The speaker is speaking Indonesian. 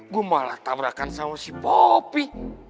gue malah tabrakan sama si bopi